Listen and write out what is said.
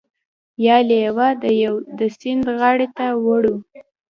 بیا لیوه د سیند غاړې ته وړو.